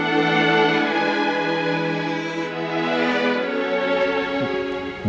dan kita harus menjaga rena